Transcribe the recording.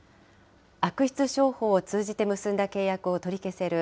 悪質商法を通じて結んだ契約を取り消せる